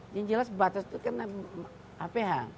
yang jelas batas itu kan hph